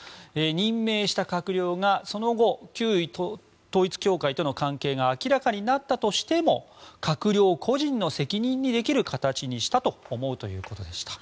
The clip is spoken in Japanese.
任命した閣僚がその後旧統一教会との関係が明らかになったとしても閣僚個人の責任にできる形にしたと思うということでした。